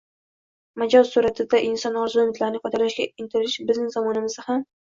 «Majoz suratida» inson orzu-umidlarini ifodalashga intilish bizning zamonimizda ham